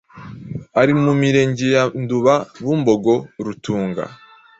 ari mu Mirenge ya Nduba, Bumbogo, Rutunga,